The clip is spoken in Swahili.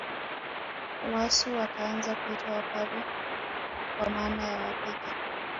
Waasu wakaanza kuitwa Wapare kwa maana ya wapige